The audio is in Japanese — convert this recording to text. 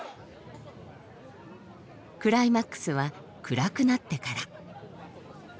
クライマックスは暗くなってから。